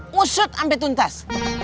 musut sampai tuntas